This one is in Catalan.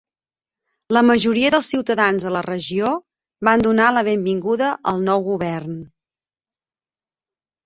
La majoria dels ciutadans de la regió van donar la benvinguda al nou govern.